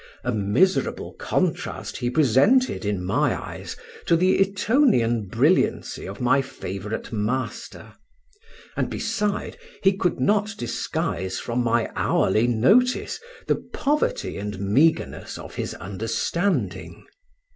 A miserable contrast he presented, in my eyes, to the Etonian brilliancy of my favourite master; and beside, he could not disguise from my hourly notice the poverty and meagreness of his understanding.